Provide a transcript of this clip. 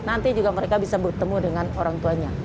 nanti juga mereka bisa bertemu dengan orang tuanya